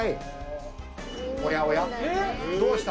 おやおやどうした？